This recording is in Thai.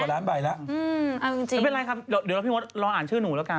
เออจริงถ้าเป็นไรครับเดี๋ยวพี่มดรออ่านชื่อนูแล้วกัน